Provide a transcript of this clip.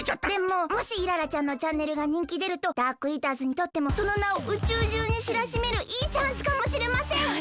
でももしイララちゃんのチャンネルがにんきでるとダークイーターズにとってもそのなを宇宙じゅうにしらしめるいいチャンスかもしれません！